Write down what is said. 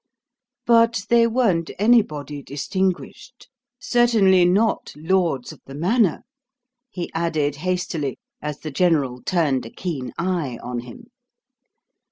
"But they weren't anybody distinguished certainly not lords of the manor," he added hastily as the General turned a keen eye on him.